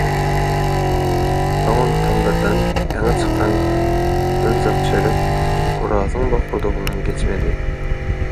Soňam tamdyrdan ýaňy çykan ýyljak çörek Orazyň bokurdagyndan geçmedi.